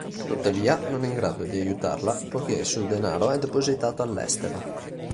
Tuttavia non è in grado di aiutarla, poiché il suo denaro è depositato all'estero.